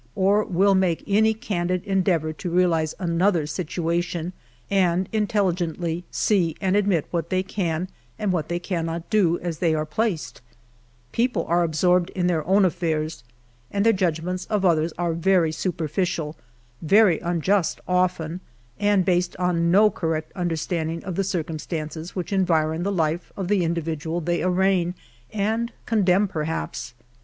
or will make any candid endeavor to realize another's situation, and intelligently see and admit what they can and what they cannot do as they are placed 'I People are absorbed in their own affairs, and their judg ments of others are very superficial, very unjust often, based on no correct understanding of the circumstances which environ the life of the individual they arraign and condemn, perhaps.